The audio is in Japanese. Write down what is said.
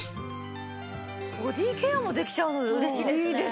ボディーケアもできちゃうの嬉しいですよね！